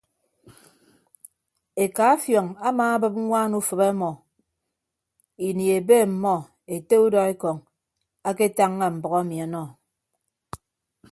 Eka afiọñ amaabịp ñwaan ufịp ọmọ ini ebe ọmmọ ete udọekọñ aketañña mbʌk emi ọnọ.